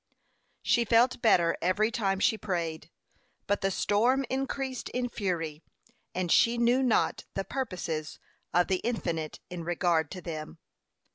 She felt better every time she prayed. But the storm increased in fury, and she knew not the purposes of the Infinite in regard to them.